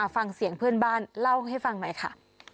ฟังเสียงเพื่อนบ้านเล่าให้ฟังหน่อยค่ะ